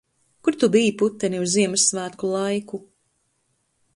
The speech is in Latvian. Kur tu biji, puteni, uz Ziemassvētku laiku?